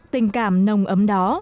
tình cảm nồng ấm đó